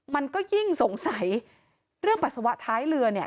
มันก็ยิ่งสงสัยเรื่องปัสสาวะท้ายเรือเนี่ย